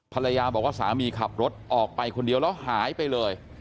ภรรยาบอกว่าสามีขับรถออกไปคนเดียวแล้วหายไปเลย